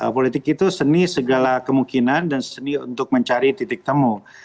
politik itu seni segala kemungkinan dan seni untuk mencari titik temu